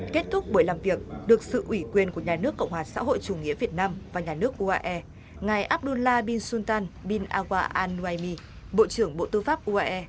kết thúc buổi làm việc được sự ủy quyền của nhà nước cộng hòa xã hội chủ nghĩa việt nam và nhà nước uae ngài abdullah bin sultan bin awa al waymi bộ trưởng bộ tư pháp uae